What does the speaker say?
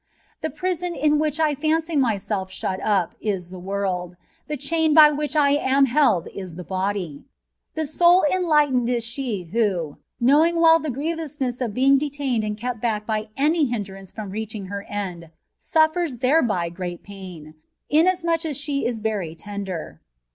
The prison in A TKEATISE OH PURGATORT. 23 which I fancy myself shnt up is the world; the chaìn hj which I am held is the body ; the soni enlighteiied is she who, knowing well the grìevous* ness of being detained and kept back by any hin* dranoe from reaching ber end, suffers thereby great pain, inasmuch as she is very tender.